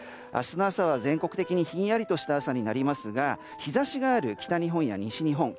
明日の朝は全国的にひんやりとした朝になりますが日差しがある北日本や西日本